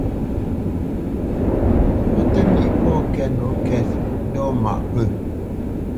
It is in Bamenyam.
Pə́ tə nîʼ pɔ̂ kɛ́t nǒ kɛ́t ndɔ̂ tə mâʼ pə̂.